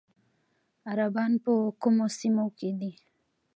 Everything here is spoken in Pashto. عربان په کومو سیمو کې دي؟